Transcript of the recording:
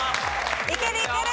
いけるいける。